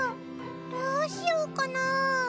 どうしようかな。